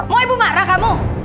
mau ibu marah kamu